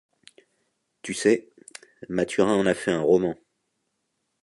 Tu sais, Mathurin en a fait un roman.